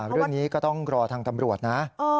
เรื่องนี้ก็ต้องรอทางตำรวจนะ